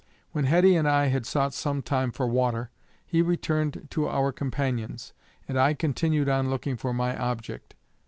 When Heddy and I had sought some time for water, he returned to our companions, and I continued on looking for my object.